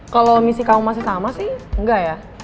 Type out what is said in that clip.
kalau misi kamu masih sama sih enggak ya